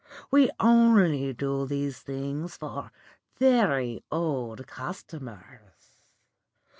We only do these things for very old customers.